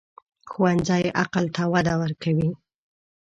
ښوونځی عقل ته وده ورکوي